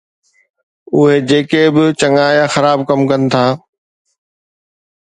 اهي جيڪي به چڱا يا خراب ڪم ڪن ٿا